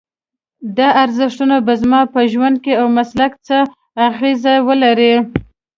دا ارزښتونه به زما په ژوند او مسلک څه اغېز ولري؟